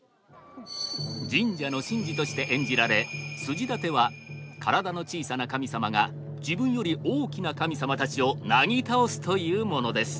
神社の神事として演じられ筋立ては体の小さな神様が自分より大きな神様たちをなぎ倒すというものです。